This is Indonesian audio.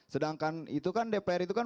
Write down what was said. sedangkan itu kan dpr itu kan